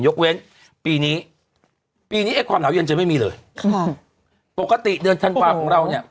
ยกเว้นปีนี้ปีนี้ไอ้ความหนาวเย็นจะไม่มีเลยค่ะปกติเดือนธันวาของเราเนี่ย